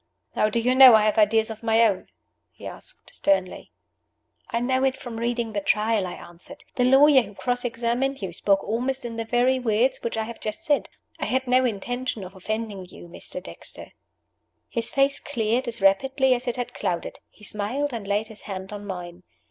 "How do you know I have ideas of my own?" he asked, sternly. "I know it from reading the Trial," I answered. "The lawyer who cross examined you spoke almost in the very words which I have just used. I had no intention of offending you, Mr. Dexter." His face cleared as rapidly as it had clouded. He smiled, and laid his hand on mine.